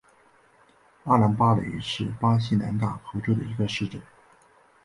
阿兰巴雷是巴西南大河州的一个市镇。